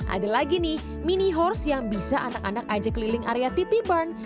ada lagi nih mini horse yang bisa anak anak aja keliling area tp burn